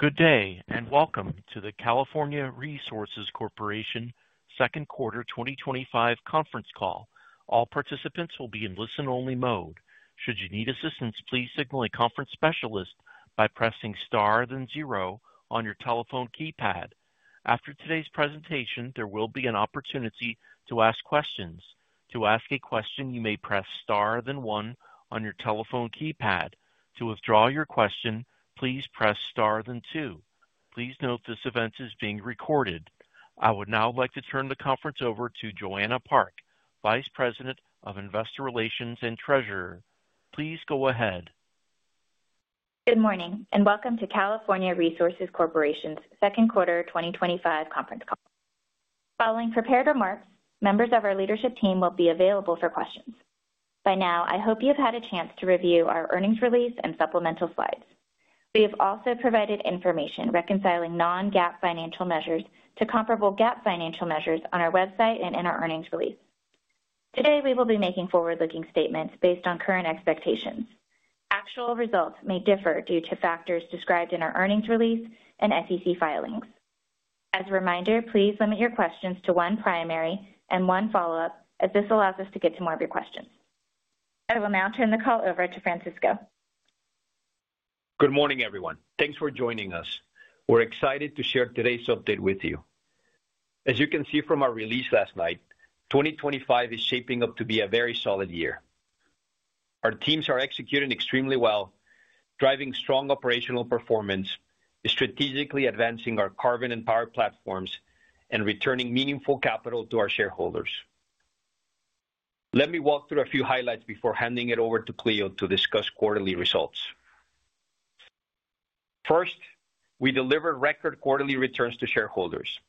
Good day, and welcome to the California Resources Corporation's second quarter 2025 conference call. All participants will be in listen-only mode. Should you need assistance, please signal a conference specialist by pressing star, then zero, on your telephone keypad. After today's presentation, there will be an opportunity to ask questions. To ask a question, you may press star, then one, on your telephone keypad. To withdraw your question, please press star, then two. Please note this event is being recorded. I would now like to turn the conference over to Joanna Park, Vice President of Investor Relations and Treasurer. Please go ahead. Good morning, and welcome to California Resources Corporation's second quarter 2025 conference call. Following prepared remarks, members of our leadership team will be available for questions. By now, I hope you have had a chance to review our earnings release and supplemental slides. We have also provided information reconciling non-GAAP financial measures to comparable GAAP financial measures on our website and in our earnings release. Today, we will be making forward-looking statements based on current expectations. Actual results may differ due to factors described in our earnings release and SEC filings. As a reminder, please limit your questions to one primary and one follow-up, as this allows us to get to more of your questions. I will now turn the call over to Francisco. Good morning, everyone. Thanks for joining us. We're excited to share today's update with you. As you can see from our release last night, 2025 is shaping up to be a very solid year. Our teams are executing extremely well, driving strong operational performance, strategically advancing our carbon and power platforms, and returning meaningful capital to our shareholders. Let me walk through a few highlights before handing it over to Clio to discuss quarterly results. First, we delivered record quarterly returns to shareholders.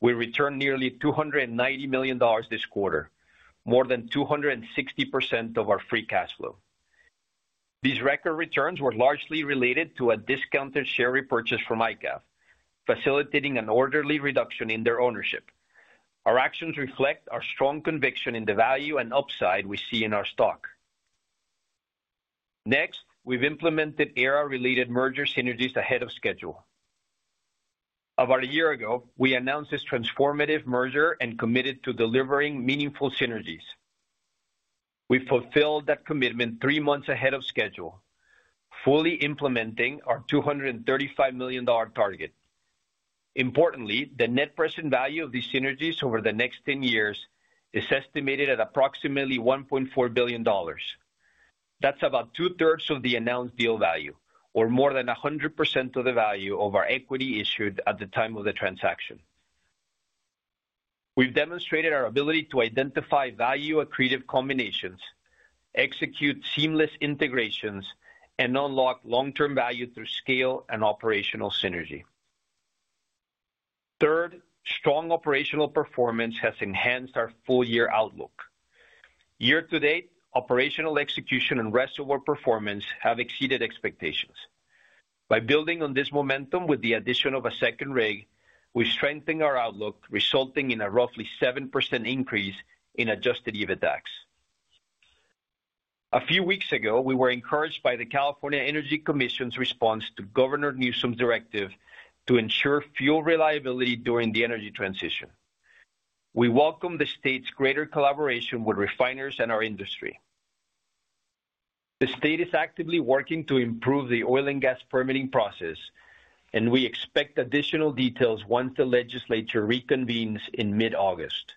We returned nearly $290 million this quarter, more than 260% of our free cash flow. These record returns were largely related to a discounted share repurchase from ICAF, facilitating an orderly reduction in their ownership. Our actions reflect our strong conviction in the value and upside we see in our stock. Next, we've implemented Aera-related merger synergies ahead of schedule. About a year ago, we announced this transformative merger and committed to delivering meaningful synergies. We fulfilled that commitment three months ahead of schedule, fully implementing our $235 million target. Importantly, the net present value of these synergies over the next 10 years is estimated at approximately $1.4 billion. That's about two-thirds of the announced deal value, or more than 100% of the value of our equity issued at the time of the transaction. We've demonstrated our ability to identify value-accretive combinations, execute seamless integrations, and unlock long-term value through scale and operational synergy. Third, strong operational performance has enhanced our full-year outlook. Year to date, operational execution and rest of our performance have exceeded expectations. By building on this momentum with the addition of a second rig, we strengthened our outlook, resulting in a roughly 7% increase in adjusted EBITDA. A few weeks ago, we were encouraged by the California Energy Commission's response to Governor Newsom's directive to ensure fuel reliability during the energy transition. We welcome the state's greater collaboration with refiners and our industry. The state is actively working to improve the oil and gas permitting process, and we expect additional details once the legislature reconvenes in mid-August.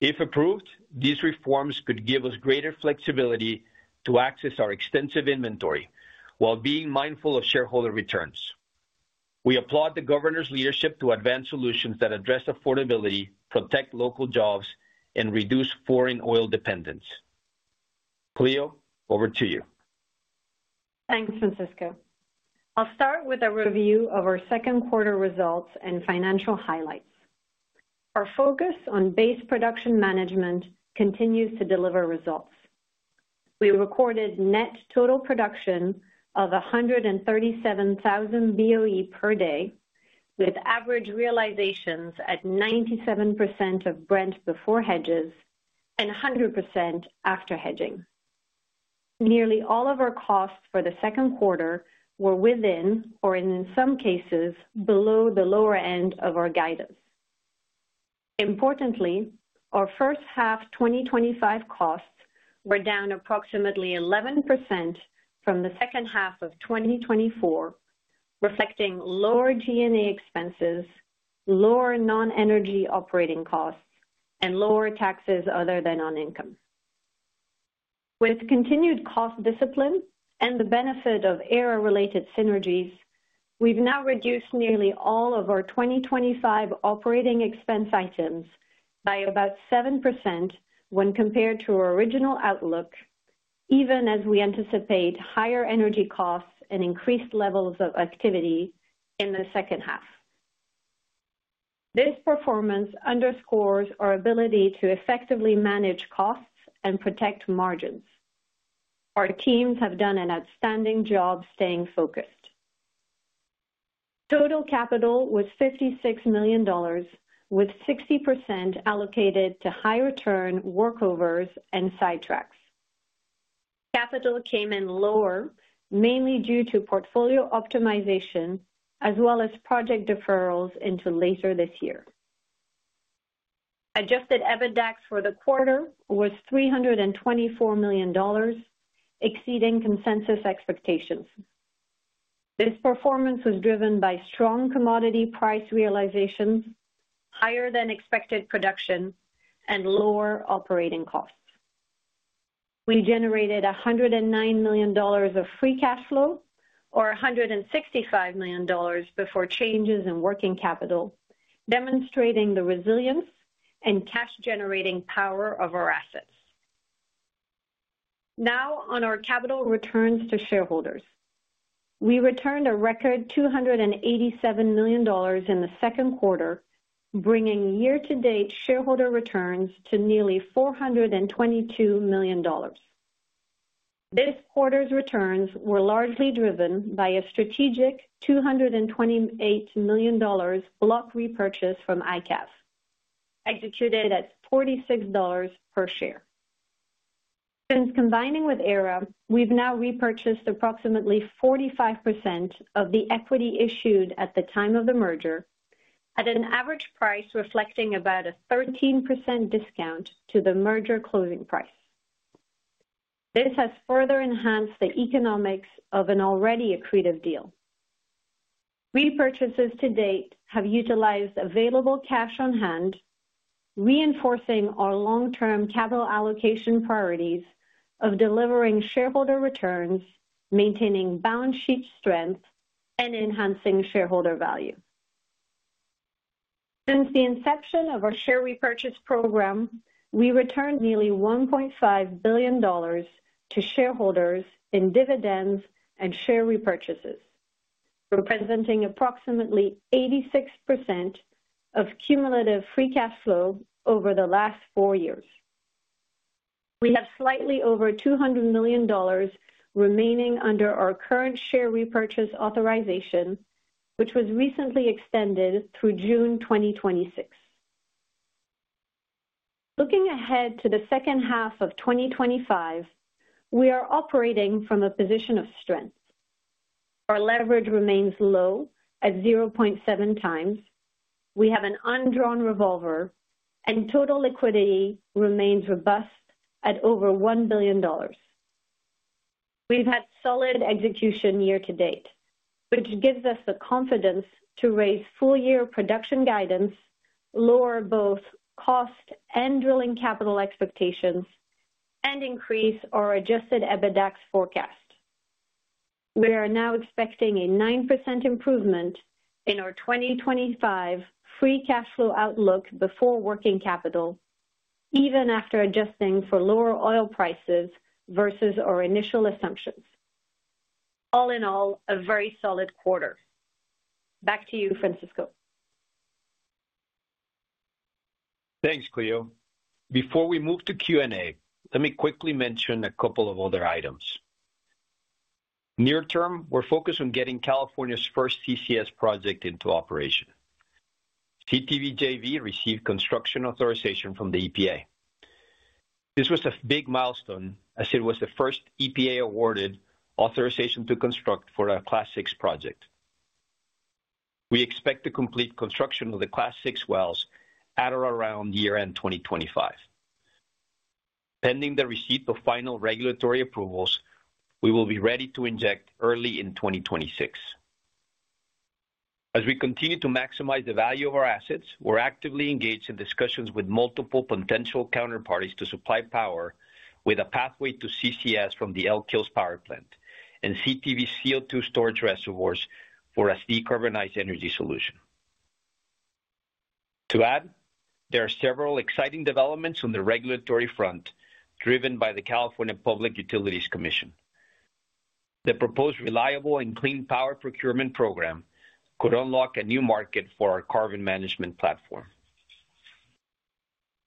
If approved, these reforms could give us greater flexibility to access our extensive inventory while being mindful of shareholder returns. We applaud the governor's leadership to advance solutions that address affordability, protect local jobs, and reduce foreign oil dependence. Clio, over to you. Thanks, Francisco. I'll start with a review of our second quarter results and financial highlights. Our focus on base production management continues to deliver results. We recorded net total production of 137,000 BOE per day, with average realizations at 97% of branch before hedges and 100% after hedging. Nearly all of our costs for the second quarter were within, or in some cases, below the lower end of our guidance. Importantly, our first half 2025 costs were down approximately 11% from the second half of 2024, reflecting lower G&A expenses, lower non-energy operating costs, and lower taxes other than on income. With continued cost discipline and the benefit of Aera-related synergies, we've now reduced nearly all of our 2025 operating expense items by about 7% when compared to our original outlook, even as we anticipate higher energy costs and increased levels of activity in the second half. This performance underscores our ability to effectively manage costs and protect margins. Our teams have done an outstanding job staying focused. Total capital was $56 million, with 60% allocated to high-return workovers and sidetracks. Capital came in lower, mainly due to portfolio optimization, as well as project deferrals into later this year. Adjusted EBITDA for the quarter was $324 million, exceeding consensus expectations. This performance was driven by strong commodity price realizations, higher than expected production, and lower operating costs. We generated $109 million of free cash flow, or $165 million before changes in working capital, demonstrating the resilience and cash-generating power of our assets. Now, on our capital returns to shareholders, we returned a record $287 million in the second quarter, bringing year-to-date shareholder returns to nearly $422 million. This quarter's returns were largely driven by a strategic $228 million block repurchase from ICAF, executed at $46 per share. Since combining with Aera, we've now repurchased approximately 45% of the equity issued at the time of the merger, at an average price reflecting about a 13% discount to the merger closing price. This has further enhanced the economics of an already accretive deal. Repurchases to date have utilized available cash on hand, reinforcing our long-term capital allocation priorities of delivering shareholder returns, maintaining balance sheet strength, and enhancing shareholder value. Since the inception of our share repurchase program, we returned nearly $1.5 billion to shareholders in dividends and share repurchases, representing approximately 86% of cumulative free cash flow over the last four years. We have slightly over $200 million remaining under our current share repurchase authorization, which was recently extended through June 2026. Looking ahead to the second half of 2025, we are operating from a position of strength. Our leverage remains low at 0.7x. We have an undrawn revolver, and total liquidity remains robust at over $1 billion. We've had solid execution year to date, which gives us the confidence to raise full-year production guidance, lower both cost and drilling capital expectations, and increase our adjusted EBITDA forecast. We are now expecting a 9% improvement in our 2025 free cash flow outlook before working capital, even after adjusting for lower oil prices versus our initial assumptions. All in all, a very solid quarter. Back to you, Francisco. Thanks, Clio. Before we move to Q&A, let me quickly mention a couple of other items. Near term, we're focused on getting California's first CCS project into operation. CTV JV received construction authorization from the EPA. This was a big milestone, as it was the first EPA-awarded authorization to construct for a Class VI project. We expect to complete construction of the Class VI wells at or around year-end 2025. Pending the receipt of final regulatory approvals, we will be ready to inject early in 2026. As we continue to maximize the value of our assets, we're actively engaged in discussions with multiple potential counterparties to supply power with a pathway to CCS from the Elk Hills Power Plant and CTV CO2 storage reservoirs for a decarbonized energy solution. To add, there are several exciting developments on the regulatory front, driven by the California Public Utilities Commission. The proposed Reliable and Clean Power Procurement Program could unlock a new market for our carbon management platform.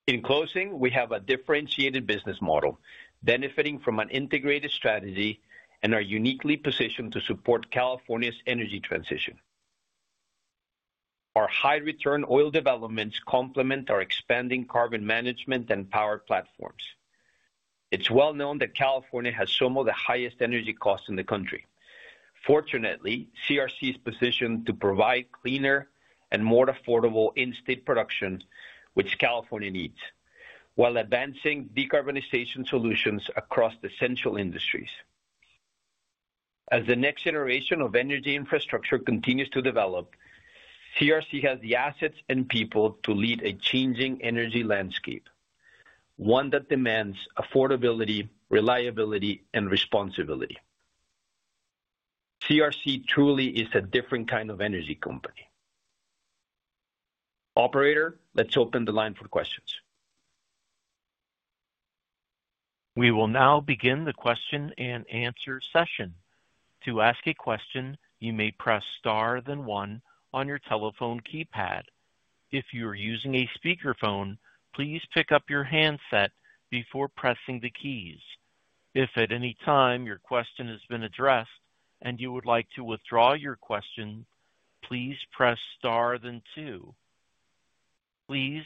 In closing, we have a differentiated business model, benefiting from an integrated strategy, and are uniquely positioned to support California's energy transition. Our high-return oil developments complement our expanding carbon management and power platforms. It's well known that California has some of the highest energy costs in the country. Fortunately, CRC is positioned to provide cleaner and more affordable in-state production, which California needs, while advancing decarbonization solutions across essential industries. As the next generation of energy infrastructure continues to develop, CRC has the assets and people to lead a changing energy landscape, one that demands affordability, reliability, and responsibility. CRC truly is a different kind of energy company. Operator, let's open the line for questions. We will now begin the question and answer session. To ask a question, you may press star, then one, on your telephone keypad. If you are using a speakerphone, please pick up your handset before pressing the keys. If at any time your question has been addressed and you would like to withdraw your question, please press star, then two. Please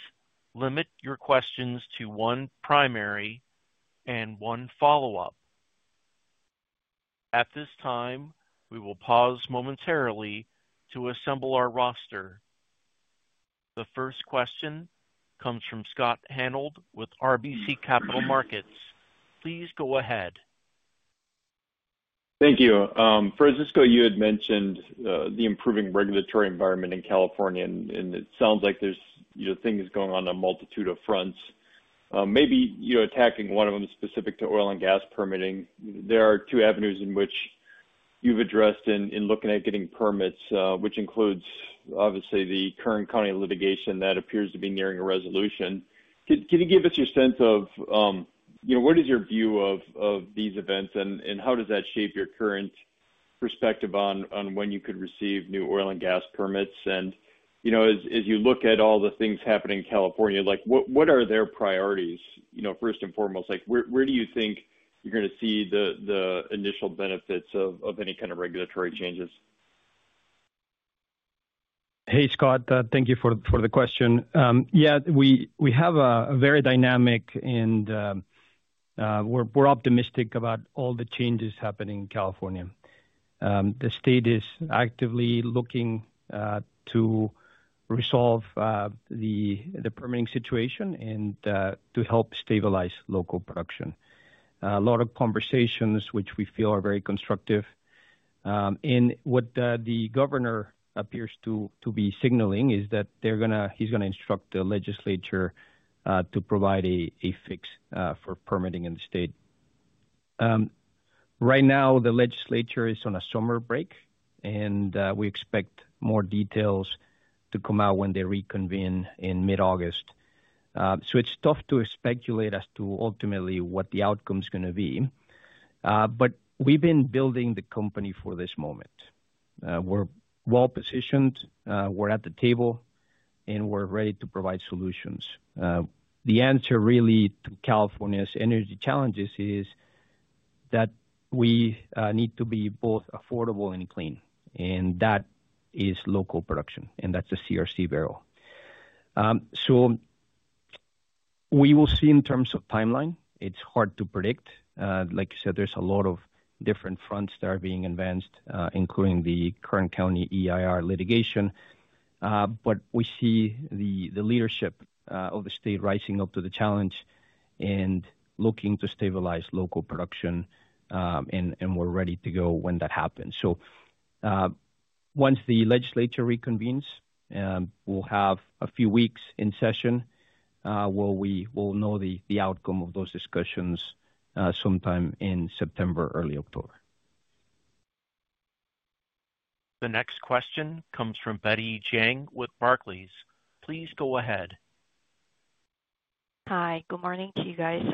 limit your questions to one primary and one follow-up. At this time, we will pause momentarily to assemble our roster. The first question comes from Scott Hanold with RBC Capital Markets. Please go ahead. Thank you. Francisco, you had mentioned the improving regulatory environment in California, and it sounds like there's things going on on a multitude of fronts. Maybe attacking one of them specific to oil and gas permitting. There are two avenues in which you've addressed in looking at getting permits, which includes, obviously, the current county litigation that appears to be nearing a resolution. Can you give us your sense of what is your view of these events and how does that shape your current perspective on when you could receive new oil and gas permits? As you look at all the things happening in California, what are their priorities, first and foremost? Where do you think you're going to see the initial benefits of any kind of regulatory changes? Hey, Scott. Thank you for the question. Yeah, we have a very dynamic and we're optimistic about all the changes happening in California. The state is actively looking to resolve the permitting situation and to help stabilize local production. A lot of conversations, which we feel are very constructive. What the governor appears to be signaling is that he's going to instruct the legislature to provide a fix for permitting in the state. Right now, the legislature is on a summer break, and we expect more details to come out when they reconvene in mid-August. It's tough to speculate as to ultimately what the outcome is going to be. We've been building the company for this moment. We're well positioned. We're at the table, and we're ready to provide solutions. The answer really to California's energy challenges is that we need to be both affordable and clean, and that is local production, and that's a CRC barrel. We will see in terms of timeline. It's hard to predict. Like you said, there's a lot of different fronts that are being advanced, including the current county EIR litigation. We see the leadership of the state rising up to the challenge and looking to stabilize local production, and we're ready to go when that happens. Once the legislature reconvenes, we'll have a few weeks in session where we will know the outcome of those discussions sometime in September, early October. The next question comes from Betty Jiang with Barclays. Please go ahead. Hi. Good morning to you guys.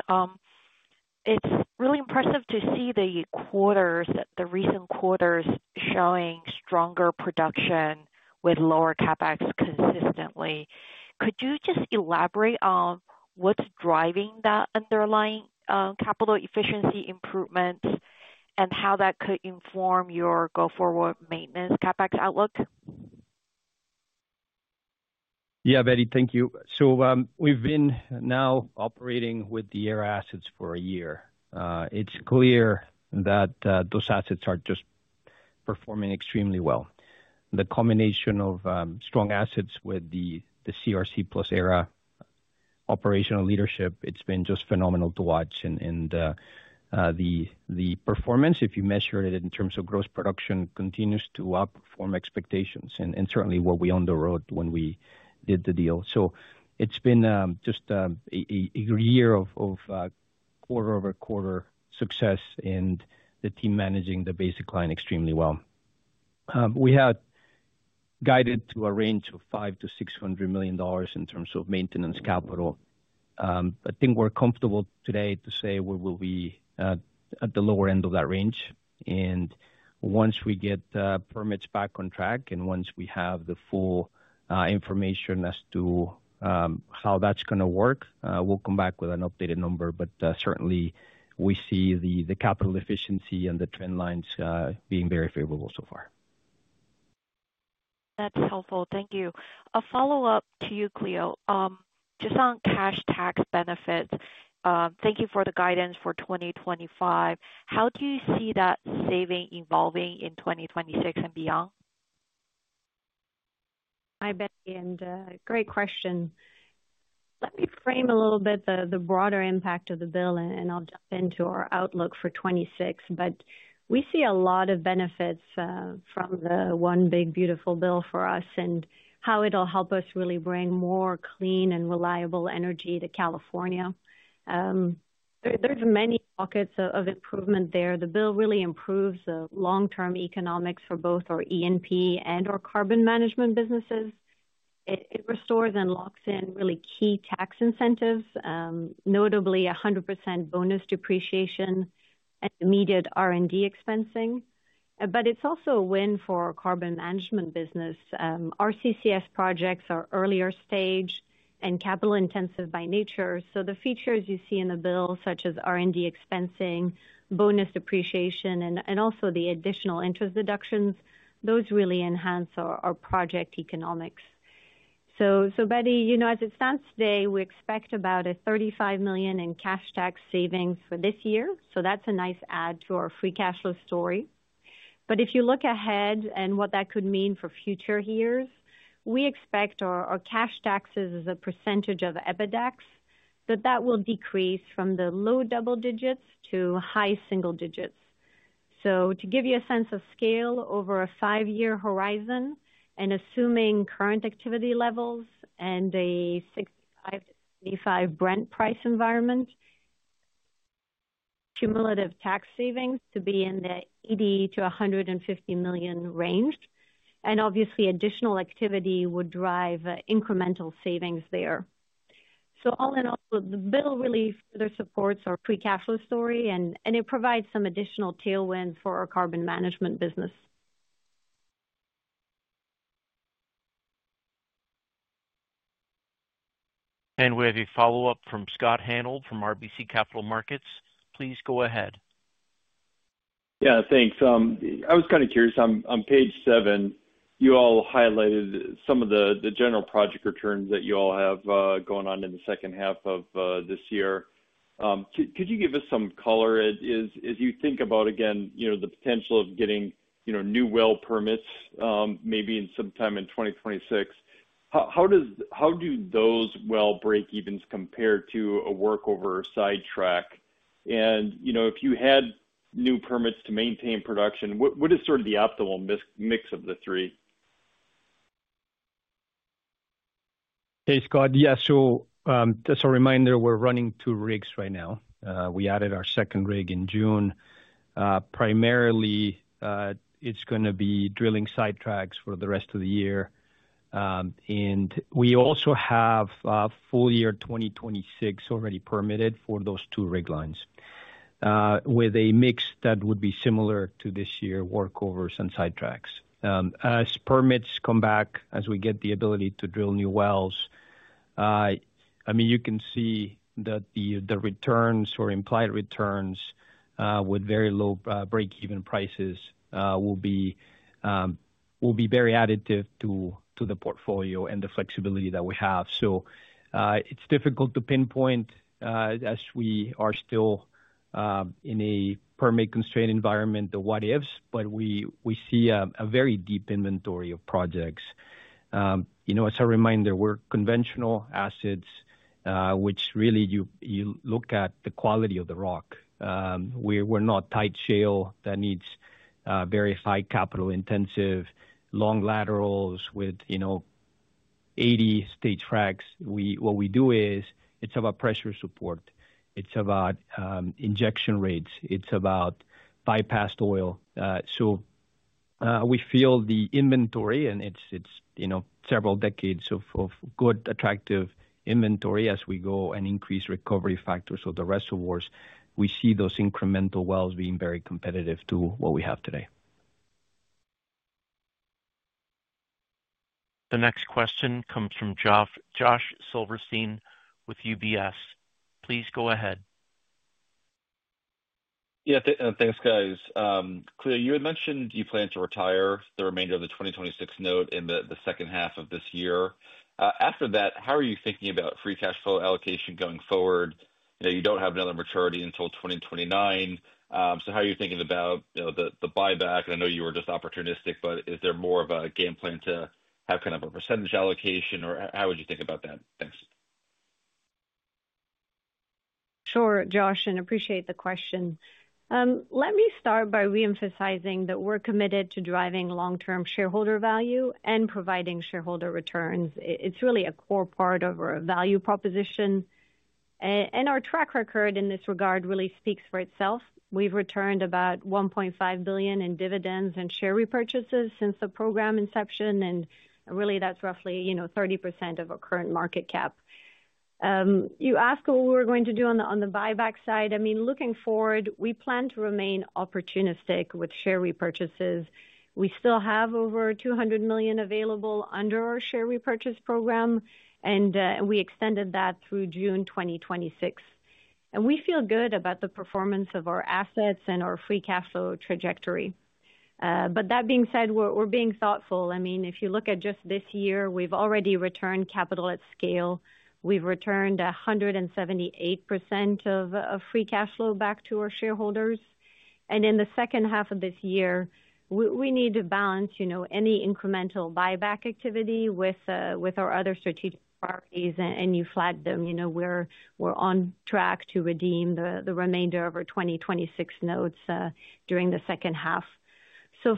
It's really impressive to see the recent quarters showing stronger production with lower CapEx consistently. Could you just elaborate on what's driving the underlying capital efficiency improvements and how that could inform your go-forward maintenance CapEx outlook? Yeah, Betty, thank you. We've been now operating with the Aera assets for a year. It's clear that those assets are just performing extremely well. The combination of strong assets with the California Resources Corporation plus Aera operational leadership, it's been just phenomenal to watch. The performance, if you measure it in terms of gross production, continues to outperform expectations and certainly what we on the road when we did the deal. It's been just a year of quarter-over-quarter success and the team managing the basic line extremely well. We had guided to a range of $500 million-$600 million in terms of maintenance capital. I think we're comfortable today to say we will be at the lower end of that range. Once we get permits back on track and once we have the full information as to how that's going to work, we'll come back with an updated number. Certainly, we see the capital efficiency and the trend lines being very favorable so far. That's helpful. Thank you. A follow-up to you, Clio. Just on cash tax benefits, thank you for the guidance for 2025. How do you see that saving evolving in 2026 and beyond? Hi, Betty, and great question. Let me frame a little bit the broader impact of the bill, and I'll jump into our outlook for 2026. We see a lot of benefits from the one big beautiful bill for us and how it'll help us really bring more clean and reliable energy to California. There are many pockets of improvement there. The bill really improves the long-term economics for both our E&P and our carbon management businesses. It restores and locks in really key tax incentives, notably a 100% bonus depreciation and immediate R&D expensing. It's also a win for our carbon management business. Our carbon capture and storage projects are earlier stage and capital-intensive by nature. The features you see in the bill, such as R&D expensing, bonus depreciation, and also the additional interest deductions, really enhance our project economics. Betty, as it stands today, we expect about $35 million in cash tax savings for this year. That's a nice add to our free cash flow story. If you look ahead and what that could mean for future years, we expect our cash taxes as a percentage of EBITDA will decrease from the low double digits to high single digits. To give you a sense of scale over a five-year horizon and assuming current activity levels and a $65 Brent price environment, cumulative tax savings to be in the $80 million-$150 million range. Obviously, additional activity would drive incremental savings there. All in all, the bill really further supports our free cash flow story, and it provides some additional tailwinds for our carbon management business. With a follow-up from Scott Hanold from RBC Capital Markets, please go ahead. Yeah, thanks. I was kind of curious. On page seven, you all highlighted some of the general project returns that you all have going on in the second half of this year. Could you give us some color as you think about, again, the potential of getting new well permits maybe sometime in 2026? How do those well break-evens compare to a workover or sidetrack? If you had new permits to maintain production, what is sort of the optimal mix of the three? Hey, Scott. Yeah, just a reminder, we're running two rigs right now. We added our second rig in June. Primarily, it's going to be drilling sidetracks for the rest of the year. We also have full-year 2026 already permitted for those two rig lines with a mix that would be similar to this year, workovers and sidetracks. As permits come back, as we get the ability to drill new wells, you can see that the returns or implied returns with very low break-even prices will be very additive to the portfolio and the flexibility that we have. It's difficult to pinpoint as we are still in a permit-constrained environment, the what-ifs, but we see a very deep inventory of projects. As a reminder, we're conventional assets, which really you look at the quality of the rock. We're not tight shale that needs very high capital-intensive, long laterals with 80 stage tracks. What we do is it's about pressure support. It's about injection rates. It's about bypassed oil. We feel the inventory, and it's several decades of good, attractive inventory as we go and increase recovery factors of the reservoirs. We see those incremental wells being very competitive to what we have today. The next question comes from Josh Silverstein with UBS. Please go ahead. Yeah, thanks, guys. Clio, you had mentioned you plan to retire the remainder of the 2026 note in the second half of this year. After that, how are you thinking about free cash flow allocation going forward? You know, you don't have another maturity until 2029. How are you thinking about the buyback? I know you were just opportunistic, but is there more of a game plan to have kind of a % allocation, or how would you think about that? Thanks. Sure, Josh, and I appreciate the question. Let me start by reemphasizing that we're committed to driving long-term shareholder value and providing shareholder returns. It's really a core part of our value proposition. Our track record in this regard really speaks for itself. We've returned about $1.5 billion in dividends and share repurchases since the program inception. That's roughly 30% of our current market cap. You asked what we're going to do on the buyback side. Looking forward, we plan to remain opportunistic with share repurchases. We still have over $200 million available under our share repurchase program, and we extended that through June 2026. We feel good about the performance of our assets and our free cash flow trajectory. That being said, we're being thoughtful. If you look at just this year, we've already returned capital at scale. We've returned 178% of free cash flow back to our shareholders. In the second half of this year, we need to balance any incremental buyback activity with our other strategic priorities. You flagged them, we're on track to redeem the remainder of our 2026 notes during the second half.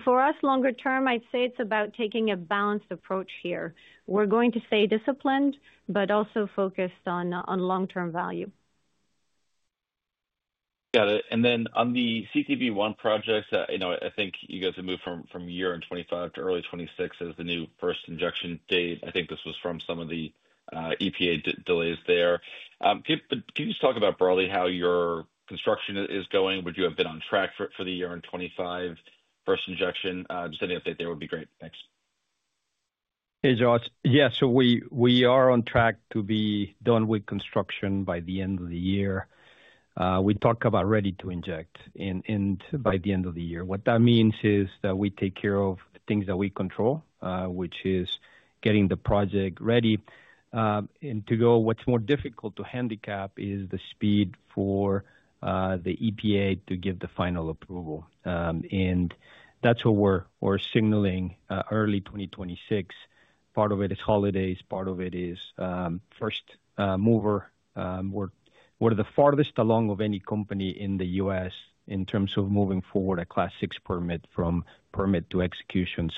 For us, longer term, I'd say it's about taking a balanced approach here. We're going to stay disciplined, but also focused on long-term value. Got it. On the CTV I projects, I think you guys have moved from year-end 2025 to early 2026 as the new first injection date. I think this was from some of the EPA delays there. Can you just talk about broadly how your construction is going? Would you have been on track for the year-end 2025 first injection? Any update there would be great. Thanks. Hey, Josh. Yeah, we are on track to be done with construction by the end of the year. We talk about ready to inject by the end of the year. What that means is that we take care of the things that we control, which is getting the project ready to go. What's more difficult to handicap is the speed for the EPA to give the final approval. That's what we're signaling, early 2026. Part of it is holidays. Part of it is first mover. We're the farthest along of any company in the U.S. in terms of moving forward a Class VI permit from permit to execution.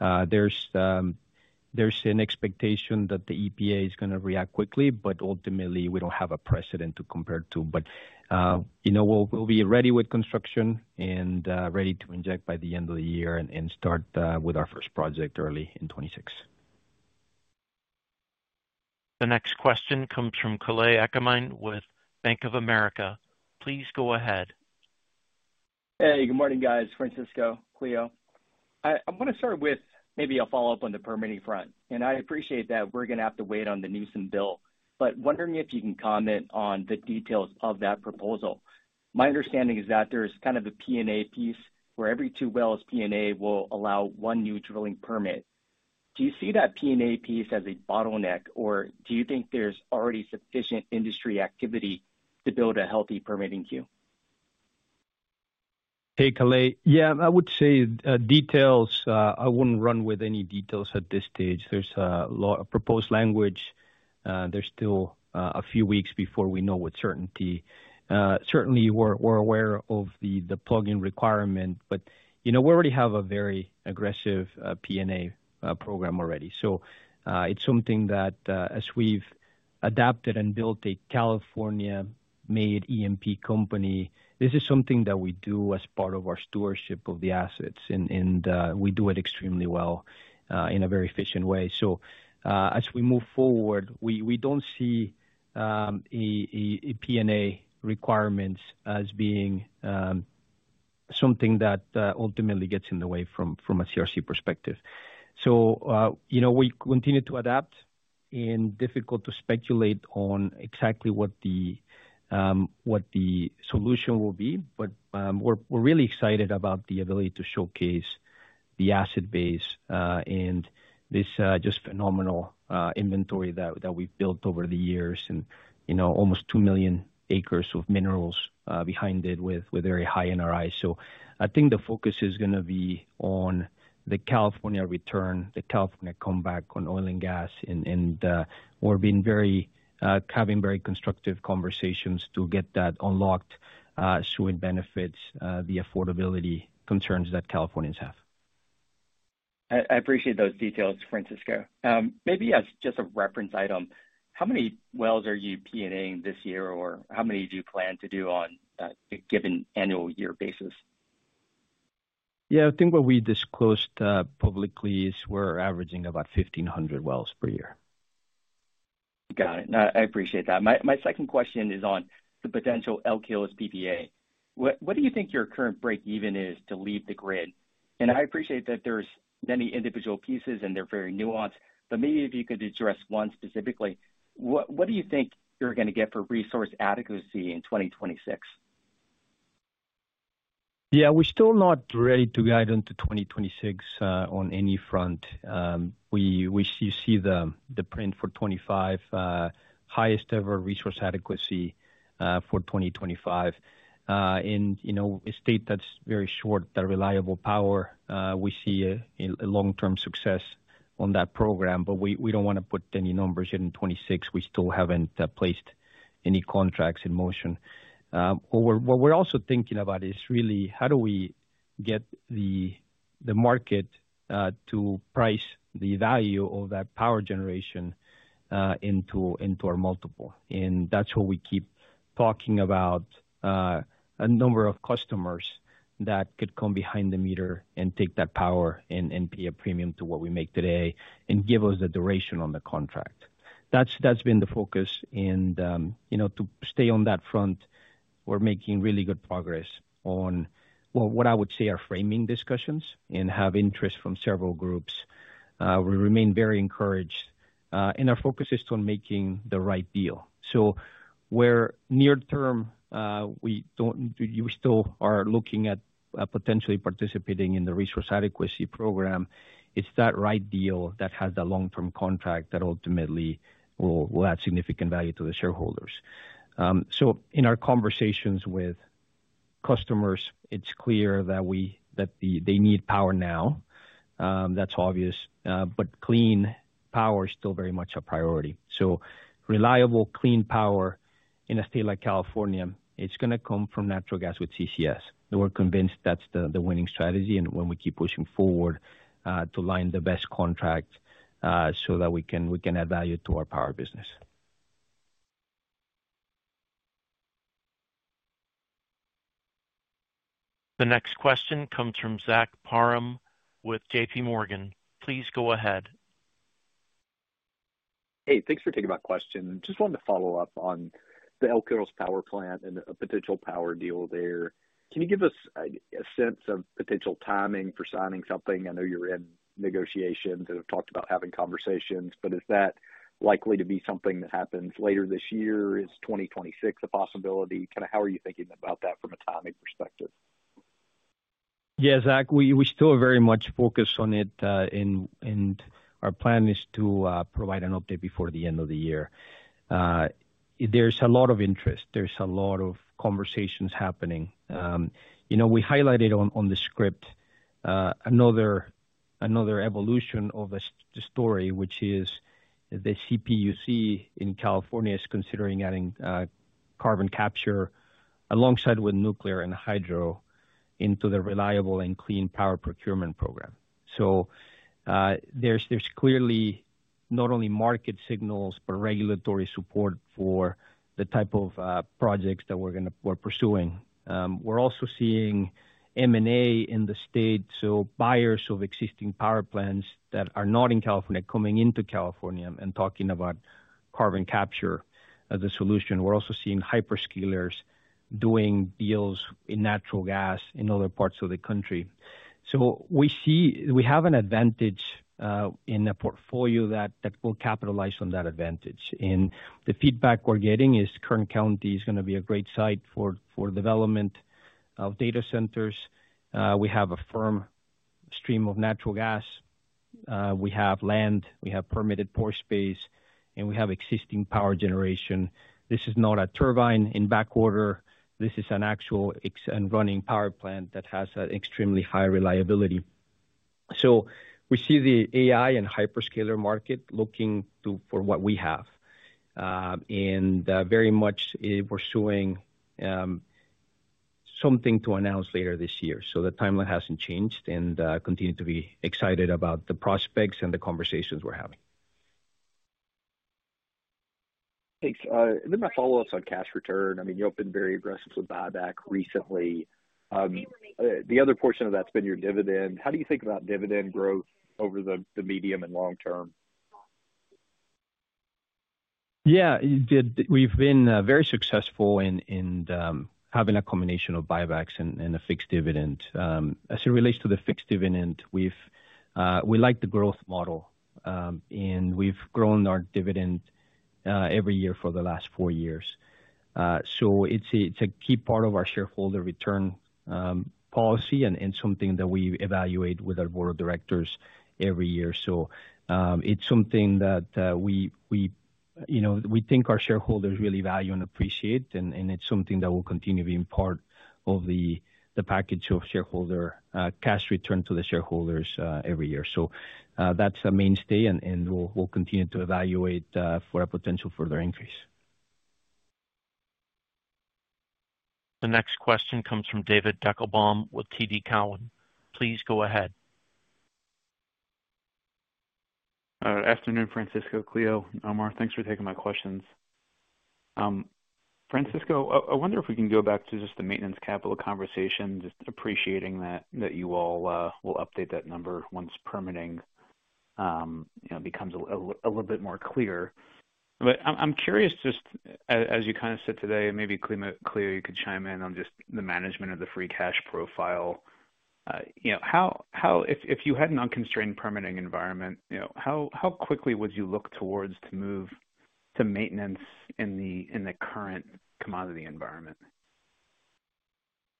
There's an expectation that the EPA is going to react quickly, but ultimately, we don't have a precedent to compare it to. We'll be ready with construction and ready to inject by the end of the year and start with our first project early in 2026. The next question comes from Kalei Akamai with Bank of America Merrill Lynch. Please go ahead. Hey, good morning, guys. Francisco, Clio. I want to start with maybe a follow-up on the permitting front. I appreciate that we're going to have to wait on the Newsom bill, but wondering if you can comment on the details of that proposal. My understanding is that there's kind of a P&A piece where every two wells P&A will allow one new drilling permit. Do you see that P&A piece as a bottleneck, or do you think there's already sufficient industry activity to build a healthy permitting queue? Hey, Kalei. Yeah, I would say details, I wouldn't run with any details at this stage. There's a lot of proposed language. There's still a few weeks before we know with certainty. Certainly, we're aware of the plug-in requirement, but you know, we already have a very aggressive P&A program already. It's something that, as we've adapted and built a California-made E&P company, this is something that we do as part of our stewardship of the assets. We do it extremely well in a very efficient way. As we move forward, we don't see P&A requirements as being something that ultimately gets in the way from a CRC perspective. We continue to adapt. It's difficult to speculate on exactly what the solution will be, but we're really excited about the ability to showcase the asset base and this just phenomenal inventory that we've built over the years and, you know, almost 2 million acres of minerals behind it with very high NRI. I think the focus is going to be on the California return, the California comeback on oil and gas. We're having very constructive conversations to get that unlocked so it benefits the affordability concerns that Californians have. I appreciate those details, Francisco. Maybe as just a reference item, how many wells are you P&Aing this year, or how many do you plan to do on a given annual year basis? Yeah, I think what we disclosed publicly is we're averaging about 1,500 wells per year. Got it. No, I appreciate that. My second question is on the potential Elk Hills PPA. What do you think your current break-even is to leave the grid? I appreciate that there's many individual pieces, and they're very nuanced, but maybe if you could address one specifically, what do you think you're going to get for resource adequacy in 2026? Yeah, we're still not ready to guide into 2026 on any front. We see the print for 2025 highest ever resource adequacy for 2025. In a state that's very short that reliable power, we see a long-term success on that program. We don't want to put any numbers yet in 2026. We still haven't placed any contracts in motion. What we're also thinking about is really how do we get the market to price the value of that power generation into our multiple. That's what we keep talking about, a number of customers that could come behind the meter and take that power and pay a premium to what we make today and give us the duration on the contract. That's been the focus. To stay on that front, we're making really good progress on what I would say are framing discussions and have interest from several groups. We remain very encouraged. Our focus is on making the right deal. We're near term. We still are looking at potentially participating in the resource adequacy program. It's that right deal that has the long-term contract that ultimately will add significant value to the shareholders. In our conversations with customers, it's clear that they need power now. That's obvious. Clean power is still very much a priority. Reliable, clean power in a state like California is going to come from natural gas with carbon capture and storage. We're convinced that's the winning strategy. We keep pushing forward to line the best contracts so that we can add value to our power business. The next question comes from Zach Parham with JPMorgan. Please go ahead. Hey, thanks for taking my question. Just wanted to follow up on the Elk Hills Power Plant and a potential power deal there. Can you give us a sense of potential timing for signing something? I know you're in negotiations and have talked about having conversations, but is that likely to be something that happens later this year? Is 2026 a possibility? How are you thinking about that from a timing perspective? Yeah, Zach, we still are very much focused on it, and our plan is to provide an update before the end of the year. There's a lot of interest, and there's a lot of conversations happening. We highlighted on the script another evolution of the story, which is the California Public Utilities Commission in California is considering adding carbon capture and storage alongside nuclear and hydro into the Reliable and Clean Power Procurement Program. There's clearly not only market signals, but regulatory support for the type of projects that we're pursuing. We're also seeing M&A in the state, with buyers of existing power plants that are not in California coming into California and talking about carbon capture and storage as a solution. We're also seeing hyperscalers doing deals in natural gas in other parts of the country. We see we have an advantage in a portfolio that will capitalize on that advantage, and the feedback we're getting is Kern County is going to be a great site for development of AI data centers. We have a firm stream of natural gas, we have land, we have permitted pore space, and we have existing power generation. This is not a turbine in back order, this is an actual and running power plant that has an extremely high reliability. We see the AI and hyperscaler market looking for what we have and very much pursuing something to announce later this year. The timeline hasn't changed and we continue to be excited about the prospects and the conversations we're having. Thanks. My follow-up is on cash return. You've been very aggressive with buyback recently. The other portion of that's been your dividend. How do you think about dividend growth over the medium and long term? Yeah, we've been very successful in having a combination of buybacks and a fixed dividend. As it relates to the fixed dividend, we like the growth model. We've grown our dividend every year for the last four years. It's a key part of our shareholder return policy and something that we evaluate with our board of directors every year. We think our shareholders really value and appreciate it. It's something that will continue being part of the package of shareholder cash return to the shareholders every year. That's a mainstay, and we'll continue to evaluate for a potential further increase. The next question comes from David Deckelbaum with TD Cowen. Please go ahead. Afternoon, Francisco, Clio, Omar, thanks for taking my questions. Francisco, I wonder if we can go back to just the maintenance capital conversation, appreciating that you all will update that number once permitting becomes a little bit more clear. I'm curious, as you kind of said today, and maybe Clio, you could chime in on the management of the free cash profile. If you had an unconstrained permitting environment, how quickly would you look to move to maintenance in the current commodity environment?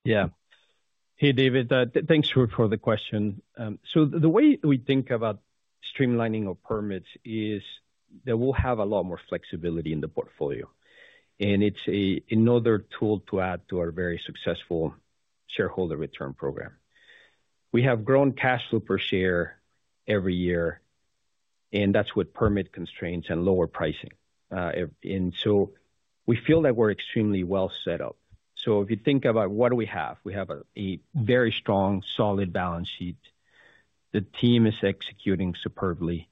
Yeah. Hey, David. Thanks for the question. The way we think about streamlining our permits is that we'll have a lot more flexibility in the portfolio, and it's another tool to add to our very successful shareholder return program. We have grown cash flow per share every year, and that's with permit constraints and lower pricing. We feel that we're extremely well set up. If you think about what we have, we have a very strong, solid balance sheet. The team is executing superbly,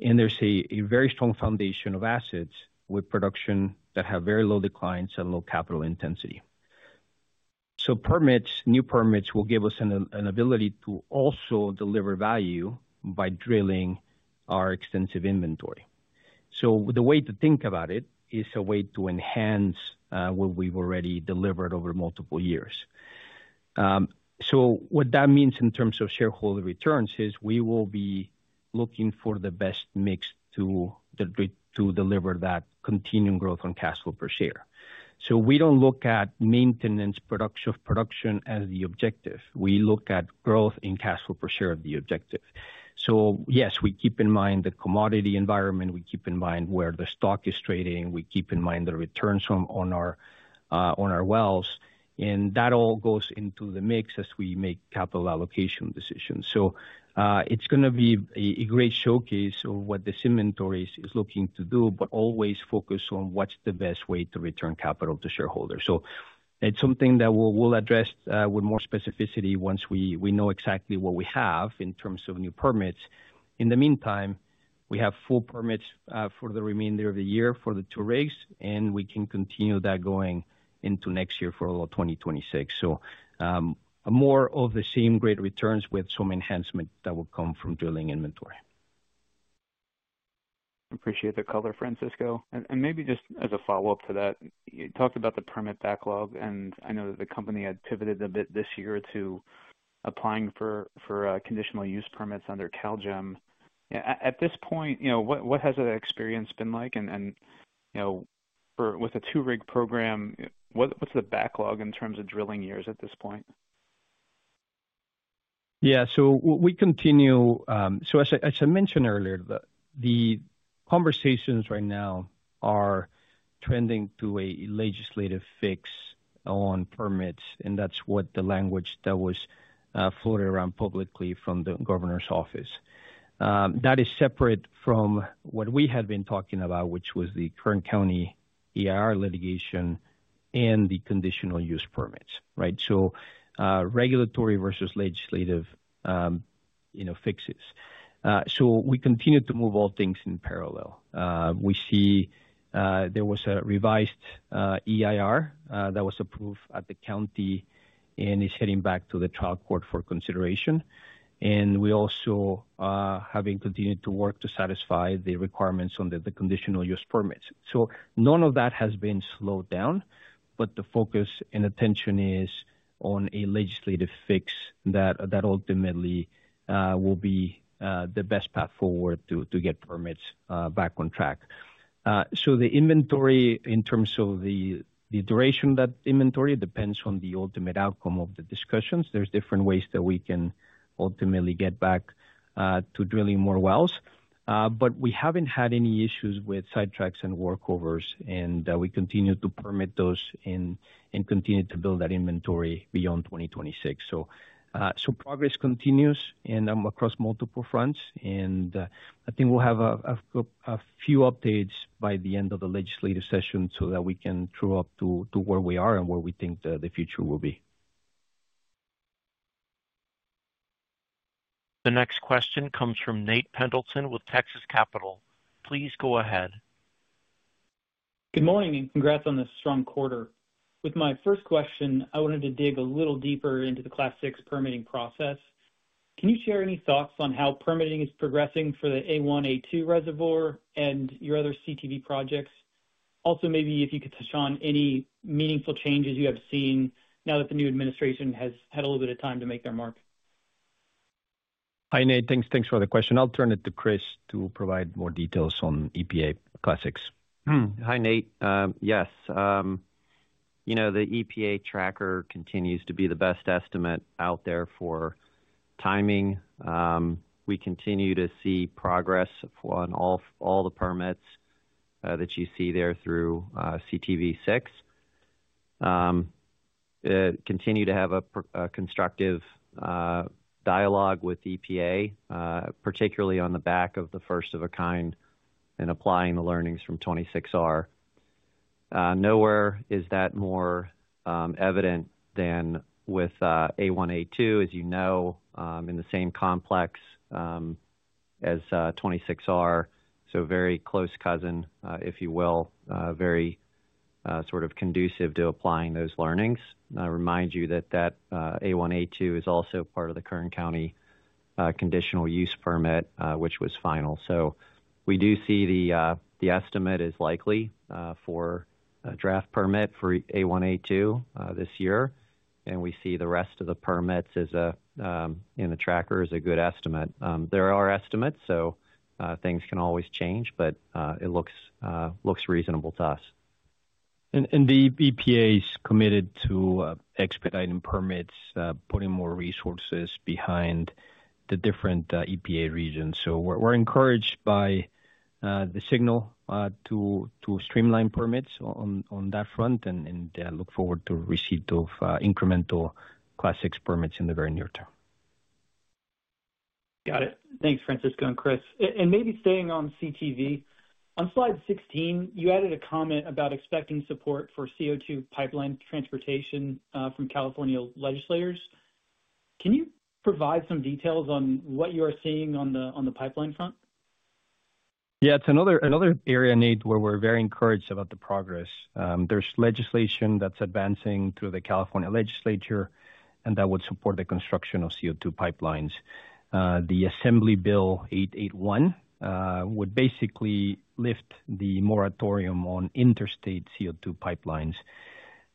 and there's a very strong foundation of assets with production that have very low declines and low capital intensity. Permits, new permits, will give us an ability to also deliver value by drilling our extensive inventory. The way to think about it is a way to enhance what we've already delivered over multiple years. What that means in terms of shareholder returns is we will be looking for the best mix to deliver that continuing growth on cash flow per share. We don't look at maintenance production of production as the objective. We look at growth in cash flow per share as the objective. Yes, we keep in mind the commodity environment. We keep in mind where the stock is trading. We keep in mind the returns on our wells, and that all goes into the mix as we make capital allocation decisions. It's going to be a great showcase of what this inventory is looking to do, but always focus on what's the best way to return capital to shareholders. It's something that we'll address with more specificity once we know exactly what we have in terms of new permits. In the meantime, we have full permits for the remainder of the year for the two rigs, and we can continue that going into next year for 2026. More of the same great returns with some enhancement that will come from drilling inventory. Appreciate the color, Francisco. Maybe just as a follow-up to that, you talked about the permit backlog. I know that the company had pivoted a bit this year to applying for conditional use permits under CalGEM. At this point, what has that experience been like? With a two-rig program, what's the backlog in terms of drilling years at this point? Yeah, we continue, as I mentioned earlier, the conversations right now are trending to a legislative fix on permits. That's what the language that was floated around publicly from the governor's office. That is separate from what we had been talking about, which was the current county EIR litigation and the conditional use permits, right? Regulatory versus legislative fixes. We continue to move all things in parallel. We see there was a revised EIR that was approved at the county and is heading back to the trial court for consideration. We also have been continuing to work to satisfy the requirements on the conditional use permits. None of that has been slowed down, but the focus and attention is on a legislative fix that ultimately will be the best path forward to get permits back on track. The inventory, in terms of the duration of that inventory, depends on the ultimate outcome of the discussions. There are different ways that we can ultimately get back to drilling more wells. We haven't had any issues with sidetracks and workovers. We continue to permit those and continue to build that inventory beyond 2026. Progress continues and I'm across multiple fronts. I think we'll have a few updates by the end of the legislative session so that we can true up to where we are and where we think the future will be. The next question comes from Nate Pendleton with Texas Capital. Please go ahead. Good morning and congrats on this strong quarter. With my first question, I wanted to dig a little deeper into the Class VI permitting process. Can you share any thoughts on how permitting is progressing for the A1/A2 reservoir and your other CTV projects? Also, maybe if you could touch on any meaningful changes you have seen now that the new administration has had a little bit of time to make their mark. Hi, Nate. Thanks for the question. I'll turn it to Chris to provide more details on EPA Class VI. Hi, Nate. Yes. You know, the EPA tracker continues to be the best estimate out there for timing. We continue to see progress on all the permits that you see there through CTV 6. We continue to have a constructive dialogue with EPA, particularly on the back of the first-of-a-kind and applying the learnings from 26R. Nowhere is that more evident than with A1/A2, as you know, in the same complex as 26R. Very close cousin, if you will, very sort of conducive to applying those learnings. I remind you that A1/A2 is also part of the Kern County conditional use permit, which was final. We do see the estimate is likely for a draft permit for A1/A2 this year. We see the rest of the permits in the tracker as a good estimate. These are estimates, so things can always change, but it looks reasonable to us. The EPA is committed to expediting permits, putting more resources behind the different EPA regions. We're encouraged by the signal to streamline permits on that front and look forward to the receipt of incremental Class VI permits in the very near term. Got it. Thanks, Francisco and Chris. Maybe staying on CTV, on slide 16, you added a comment about expecting support for CO2 pipeline transportation from California legislators. Can you provide some details on what you are seeing on the pipeline front? Yeah, it's another area where we're very encouraged about the progress. There's legislation that's advancing through the California legislature that would support the construction of CO2 pipelines. Assembly Bill 881 would basically lift the moratorium on interstate CO2 pipelines.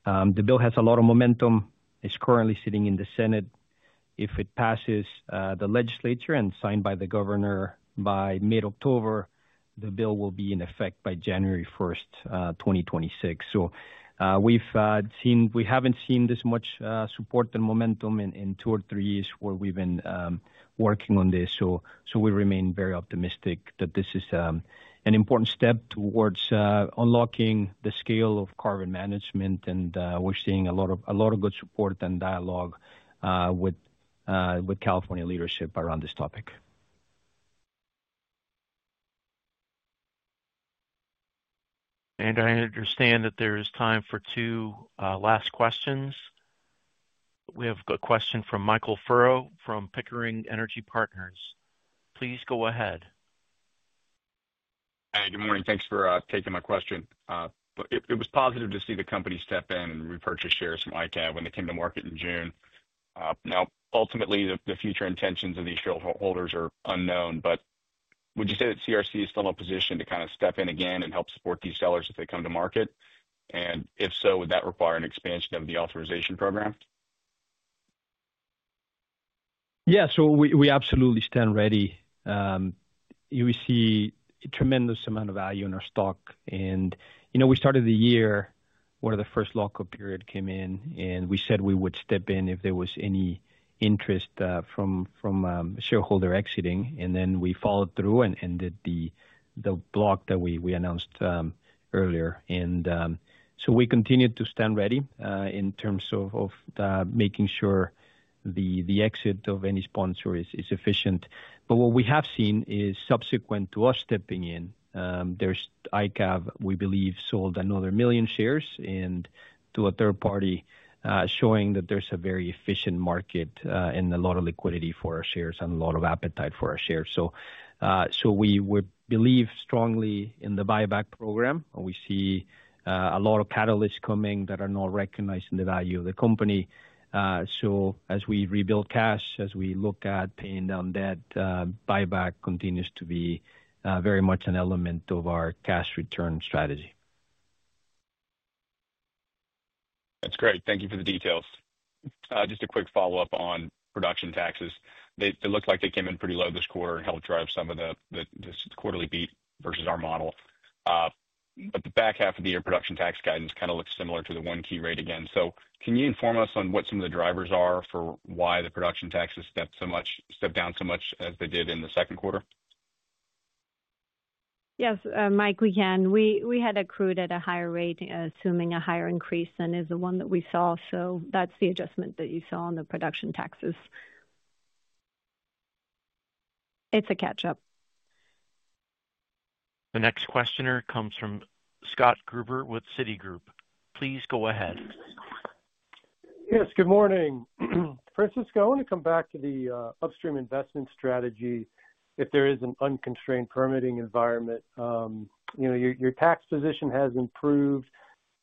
The bill has a lot of momentum. It's currently sitting in the Senate. If it passes the legislature and is signed by the governor by mid-October, the bill will be in effect by January 1, 2026. We haven't seen this much support and momentum in two or three years where we've been working on this. We remain very optimistic that this is an important step towards unlocking the scale of carbon management. We're seeing a lot of good support and dialogue with California leadership around this topic. I understand that there is time for two last questions. We have a question from Michael Furrow from Pickering Energy Partners. Please go ahead. Hi, good morning. Thanks for taking my question. It was positive to see the company step in and repurchase shares from ICAF when they came to market in June. Now, ultimately, the future intentions of these shareholders are unknown, but would you say that CRC is still in a position to kind of step in again and help support these sellers if they come to market? If so, would that require an expansion of the authorization program? Yeah, we absolutely stand ready. We see a tremendous amount of value in our stock. You know, we started the year where the first lockup period came in, and we said we would step in if there was any interest from shareholder exiting. We followed through and ended the block that we announced earlier. We continue to stand ready in terms of making sure the exit of any sponsor is efficient. What we have seen is subsequent to us stepping in, there's ICAF, we believe, sold another 1 million shares to a third party, showing that there's a very efficient market and a lot of liquidity for our shares and a lot of appetite for our shares. We believe strongly in the buyback program. We see a lot of catalysts coming that are now recognizing the value of the company. As we rebuild cash, as we look at paying down debt, buyback continues to be very much an element of our cash return strategy. That's great. Thank you for the details. Just a quick follow-up on production taxes. They look like they came in pretty low this quarter and helped drive some of the quarterly beat versus our model. The back half of the year production tax guidance kind of looks similar to the one key rate again. Can you inform us on what some of the drivers are for why the production taxes stepped down so much as they did in the second quarter? Yes, Mike, we can. We had accrued at a higher rate, assuming a higher increase than the one that we saw. That's the adjustment that you saw on the production taxes. It's a catch-up. The next questioner comes from Scott Gruber with Citigroup. Please go ahead. Yes, good morning. Francisco, I want to come back to the upstream investment strategy. If there is an unconstrained permitting environment, your tax position has improved.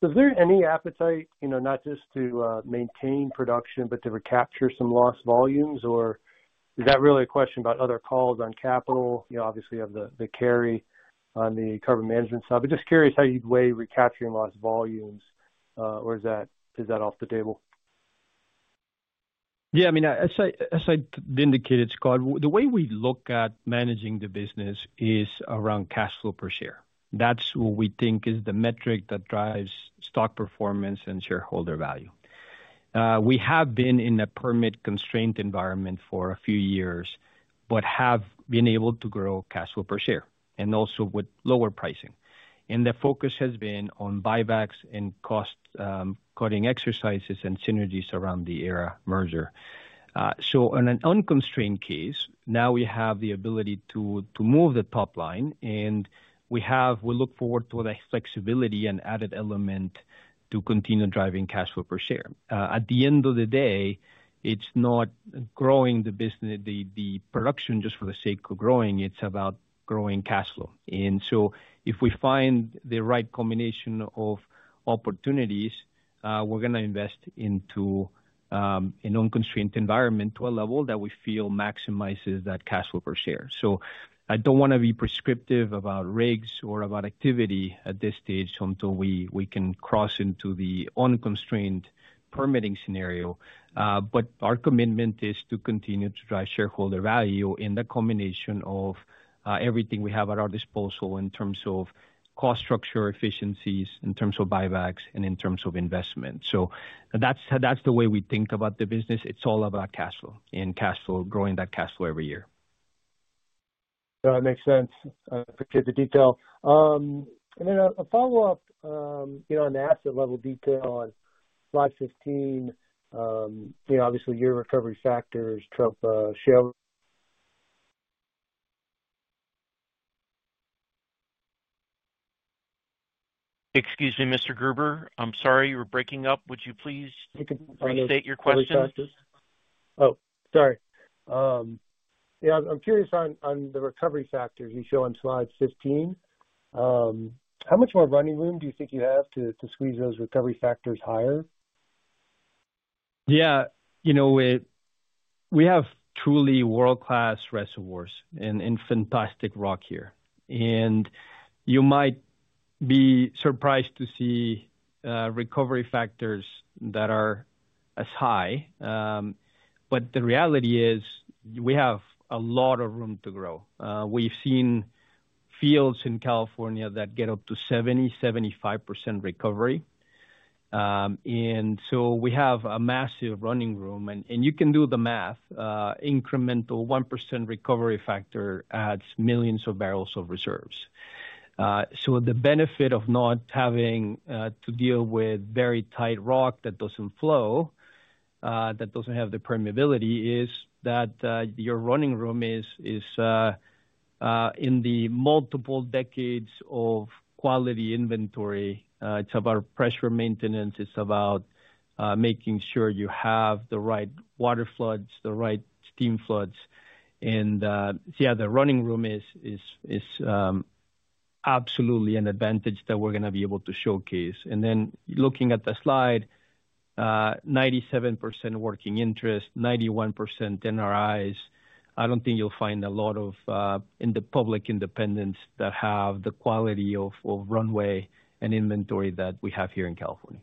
Is there any appetite not just to maintain production, but to recapture some lost volumes, or is that really a question about other calls on capital? Obviously, you have the carry on the carbon management side, but just curious how you'd weigh recapturing lost volumes, or is that off the table? Yeah, I mean, as I indicated, Scott, the way we look at managing the business is around cash flow per share. That's what we think is the metric that drives stock performance and shareholder value. We have been in a permit-constrained environment for a few years, but have been able to grow cash flow per share and also with lower pricing. The focus has been on buybacks and cost-cutting exercises and synergies around the Aera merger. In an unconstrained case, now we have the ability to move the top line, and we look forward to the flexibility and added element to continue driving cash flow per share. At the end of the day, it's not growing the production just for the sake of growing. It's about growing cash flow. If we find the right combination of opportunities, we're going to invest into an unconstrained environment to a level that we feel maximizes that cash flow per share. I don't want to be prescriptive about rigs or about activity at this stage until we can cross into the unconstrained permitting scenario. Our commitment is to continue to drive shareholder value in the combination of everything we have at our disposal in terms of cost structure, efficiencies, in terms of buybacks, and in terms of investment. That's the way we think about the business. It's all about cash flow and cash flow, growing that cash flow every year. That makes sense. Appreciate the detail. A follow-up, you know, on the asset level detail on 5/15. Obviously, your recovery factors, Trump share. Excuse me, Mr. Gruber. I'm sorry, you were breaking up. Would you please state your question? Sorry. Yeah, I'm curious on the recovery factors you show on slide 15. How much more running room do you think you have to squeeze those recovery factors higher? Yeah, you know, we have truly world-class reservoirs and fantastic rock here. You might be surprised to see recovery factors that are as high, but the reality is we have a lot of room to grow. We've seen fields in California that get up to 70%, 75% recovery, and we have a massive running room. You can do the math. Incremental 1% recovery factor adds millions of barrels of reserves. The benefit of not having to deal with very tight rock that doesn't flow, that doesn't have the permeability, is that your running room is in the multiple decades of quality inventory. It's about pressure maintenance. It's about making sure you have the right water floods, the right steam floods. The running room is absolutely an advantage that we're going to be able to showcase. Looking at the slide, 97% working interest, 91% NRIs. I don't think you'll find a lot in the public independents that have the quality of runway and inventory that we have here in California.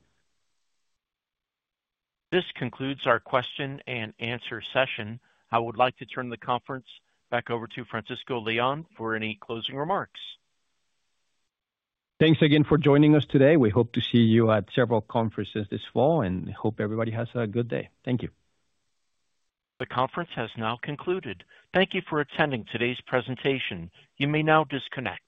This concludes our question and answer session. I would like to turn the conference back over to Francisco Leon for any closing remarks. Thanks again for joining us today. We hope to see you at several conferences this fall and hope everybody has a good day. Thank you. The conference has now concluded. Thank you for attending today's presentation. You may now disconnect.